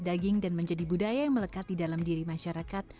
dan menjadi budaya yang melekat di dalam diri masyarakat